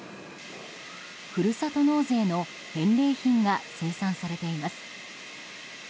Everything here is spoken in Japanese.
ふるさと納税の返礼品が生産されています。